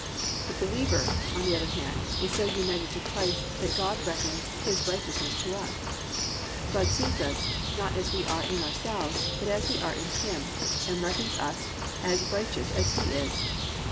The believer, on the other hand, is so united to Christ that God reckons His righteousness to us. God sees us, not as we are in ourselves, but as we are in Him and reckons us as righteous as He is.